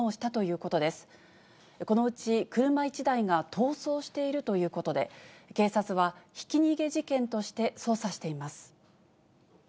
このうち車１台が逃走しているということで、警察はひき逃げ事件として捜査しています。